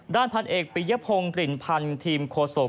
ด้านพันเอกปียะพงกลิ่นพันทีมโคสก